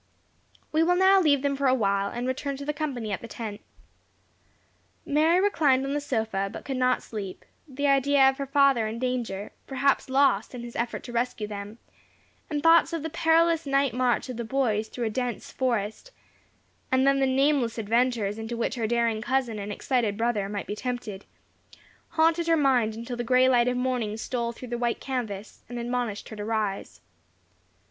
We will now leave them for awhile, and return to the company at the tent. Mary reclined on the sofa, but could not sleep. The idea of her father in danger, perhaps lost in his effort to rescue them, and thoughts of the perilous night march of the boys through a dense forest, and then the nameless adventures into which her daring cousin and excited brother might be tempted, haunted her mind until the grey light of morning stole through the white canvas, and admonished her to rise.